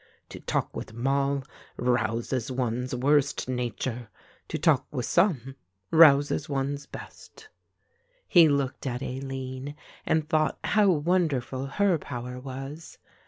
To talk with Moll rouses one's worst nature; to talk with some rouses one's best." He looked at Aline and thought how wonderful her power was.